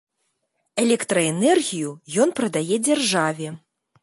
Электраэнергію ён прадае дзяржаве.